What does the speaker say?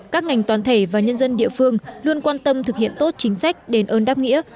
các ngành toàn thể và nhân dân địa phương luôn quan tâm thực hiện tốt chính sách đền ơn đáp nghĩa